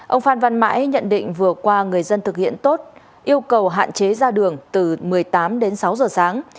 ông phan văn mãi nhận định vừa qua người dân thực hiện tốt yêu cầu hạn chế ra đường từ một mươi tám đến sáu giờ sáng